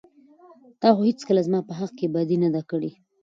تا خو هېڅکله زما په حق کې بدي نه ده کړى.